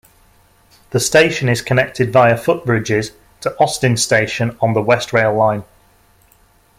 The station is connected via footbridges to Austin Station on the West Rail Line.